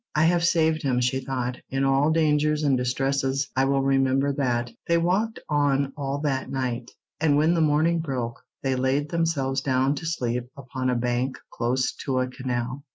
"I have saved him," she thought. "In all dangers and distresses I will remember that." They walked on all that night, and when the morning broke they laid themselves down to sleep upon a bank close to a canal.